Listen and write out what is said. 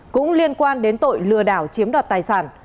cũng liên quan đến tội lừa đảo chiếm đoạt tài sản